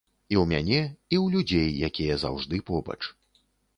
І ў мяне, і ў людзей, якія заўжды побач.